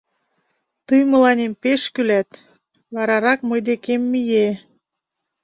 Тый мыланем пеш кӱлат, варарак мый декем мие.